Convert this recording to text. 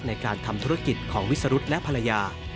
ในการทำธุรกิจของวิสรุธและภรรยา